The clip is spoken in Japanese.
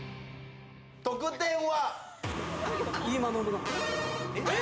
得点は？